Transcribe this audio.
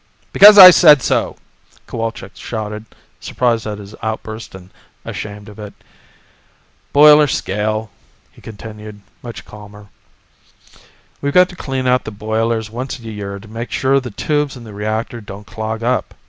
"Because I say so," Cowalczk shouted, surprised at his outburst and ashamed of it. "Boiler scale," he continued, much calmer. "We've got to clean out the boilers once a year to make sure the tubes in the reactor don't clog up."